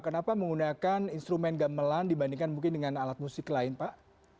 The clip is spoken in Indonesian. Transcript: kenapa menggunakan instrumen gamelan dibandingkan mungkin dengan alat musik lain pak